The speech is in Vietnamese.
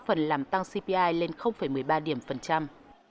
đã góp phần làm tăng cpi lên một mươi ba điểm phần trăm